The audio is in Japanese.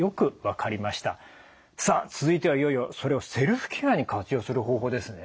さあ続いてはいよいよそれをセルフケアに活用する方法ですね。